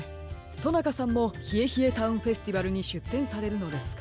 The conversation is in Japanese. となかさんもひえひえタウンフェスティバルにしゅってんされるのですか？